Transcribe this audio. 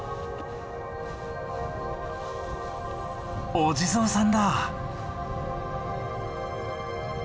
お地蔵さんだ。